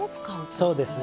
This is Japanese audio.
そうですね。